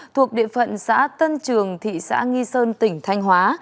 thuộc địa phận xã tân trường thị xã nghi sơn tỉnh thanh hóa